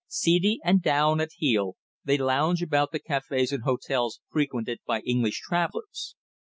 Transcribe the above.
Seedy and down at heel, they lounge about the cafés and hotels frequented by English travellers.